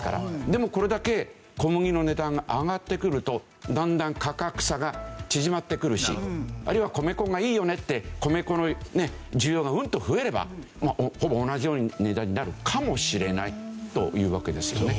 でもこれだけ小麦の値段が上がってくるとだんだん価格差が縮まってくるしあるいは米粉がいいよねって米粉の需要がうんと増えればほぼ同じような値段になるかもしれないというわけですよね。